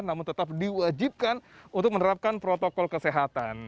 namun tetap diwajibkan untuk menerapkan protokol kesehatan